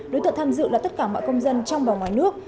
đối tượng tham dự là tất cả mọi công dân trong và ngoài nước